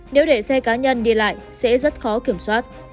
nếu để xe cá nhân đi lại sẽ rất khó kiểm soát